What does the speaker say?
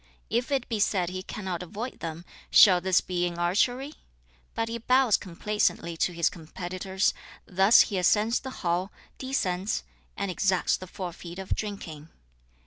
If it be said he cannot avoid them, shall this be in archery? But he bows complaisantly to his competitors; thus he ascends the hall, descends, and exacts the forfeit of drinking.